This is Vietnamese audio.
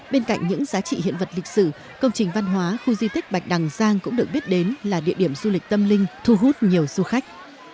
bên cạnh những giá trị hiện vật lịch sử công trình văn hóa khu di tích bạch đằng giang cũng được biết đến là địa điểm du lịch tâm linh thu hút nhiều du khách